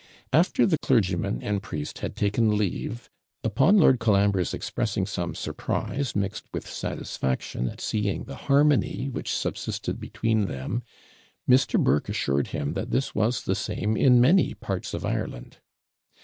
After the clergyman and priest had taken leave, upon Lord Colambre's expressing some surprise, mixed with satisfaction, at seeing the harmony which subsisted between them, Mr. Burke assured him that this was the same in many parts of Ireland.